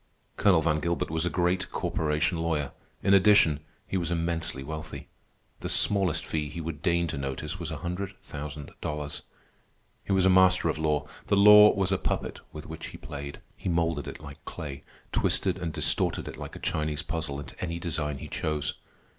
Colonel Van Gilbert was a great corporation lawyer. In addition, he was immensely wealthy. The smallest fee he would deign to notice was a hundred thousand dollars. He was a master of law. The law was a puppet with which he played. He moulded it like clay, twisted and distorted it like a Chinese puzzle into any design he chose.